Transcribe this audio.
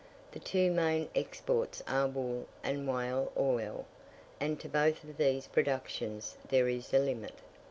The two main exports are wool and whale oil, and to both of these productions there is a limit.